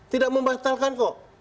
tidak membatalkan kok